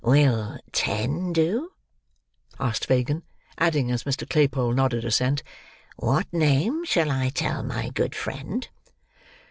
"Will ten do?" asked Fagin, adding, as Mr. Claypole nodded assent, "What name shall I tell my good friend."